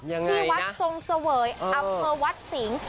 ที่วัดทรงเสวยอัพเพอร์วัดสิง